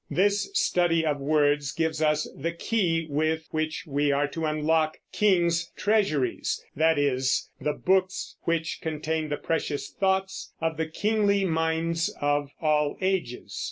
This study of words gives us the key with which we are to unlock "Kings' Treasuries," that is, the books which contain the precious thoughts of the kingly minds of all ages.